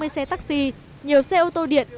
một trăm năm mươi xe taxi nhiều xe ô tô điện